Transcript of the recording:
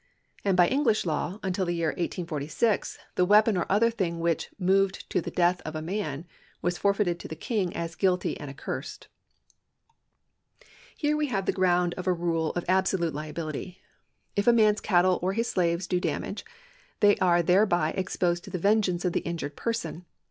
And by English law until the year 1846 the weapon or other thing which " moved to the death of a man " was forfeited to the King as guilty and accursed.* Here we have the ground of a rule of absolute liability. If a man's cattle or his slaves do damage, they are thereby exposed to the vengeance of the injured person.